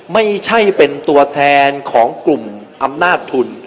ไม่ใช่เป็นตัวแทนของกลุ่มอำนาจทุน